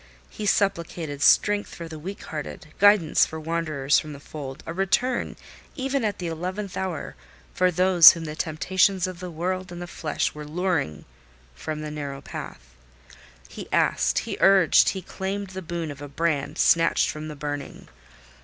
He supplicated strength for the weak hearted; guidance for wanderers from the fold: a return, even at the eleventh hour, for those whom the temptations of the world and the flesh were luring from the narrow path. He asked, he urged, he claimed the boon of a brand snatched from the burning.